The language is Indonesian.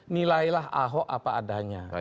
nilailah ahok apa adanya